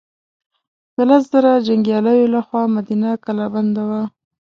د لس زره جنګیالیو له خوا مدینه کلا بنده وه.